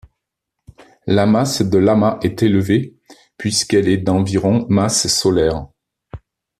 La masse de l'amas est élevée puisqu'elle est d'environ masses solaires.